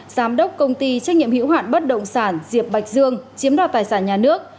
giám đốc công ty trách nhiệm hữu hạn bất động sản diệp bạch dương chiếm đoạt tài sản nhà nước